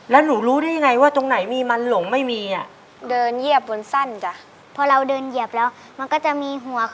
แล้วหนูรู้ได้ไงว่าตรงไหนมีมันหลงไม่มีอะ